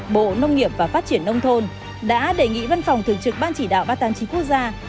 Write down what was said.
bộ nông nghiệp và phát triển nông thôn đã đề nghị văn phòng thường trực ban chỉ đạo ba trăm tám mươi chín quốc gia